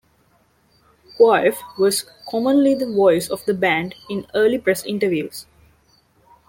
Quaife was commonly the voice of the band in early press interviews.